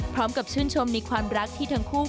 พร้อมกับชื่นชมในความรักที่ทั้งคู่